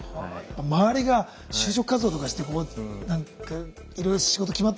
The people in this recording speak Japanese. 周りが就職活動とかしていろいろ仕事決まっていったりとかする。